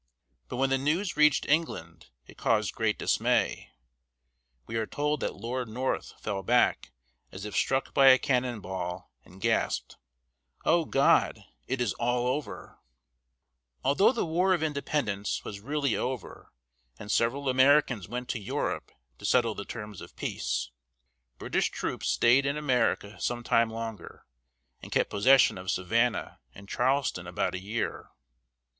But when the news reached England it caused great dismay. We are told that Lord North fell back as if struck by a cannon ball, and gasped: "O God, it is all over!" [Illustration: Washington's Headquarters at Newburgh.] Although the War of Independence was really over, and several Americans went to Europe to settle the terms of peace, British troops staid in America some time longer, and kept possession of Savannah and Charleston about a year.